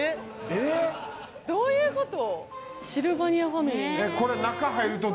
えっどういうこと？